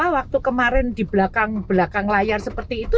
waktu kemarin di belakang belakang layar seperti itu